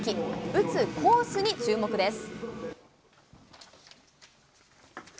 打つコースに注目です。